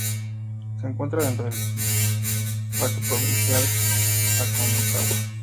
Se encuentra dentro del parque provincial Aconcagua.